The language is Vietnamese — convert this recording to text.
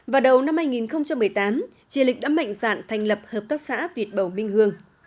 vào đầu năm hai nghìn một mươi tám chị lịch đã mạnh dạn thành lập hợp tác xã việt bầu minh hương